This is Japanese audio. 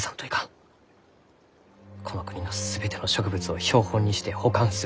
この国の全ての植物を標本にして保管する。